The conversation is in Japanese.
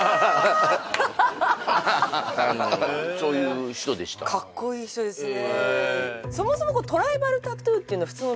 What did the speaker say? そういう人でしたかっこいい人ですね